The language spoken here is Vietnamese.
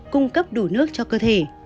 cung cấp đủ nước cho cơ thể